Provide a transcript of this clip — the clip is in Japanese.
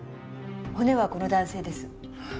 骨はこの男性です。